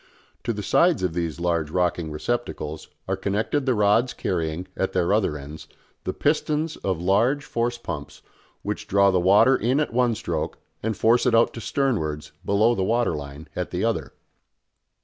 To the sides of these large rocking receptacles are connected the rods carrying, at their other ends, the pistons of large force pumps which draw the water in at one stroke and force it out to sternwards, below the water line, at the other.